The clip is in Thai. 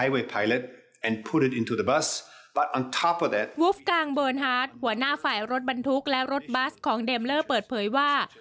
กลางเบิร์นฮาร์ดหัวหน้าฝ่ายรถบรรทุกและรถบัสของเดมเลอร์เปิดเผยว่า